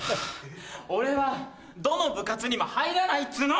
俺はどの部活にも入らないっつうの！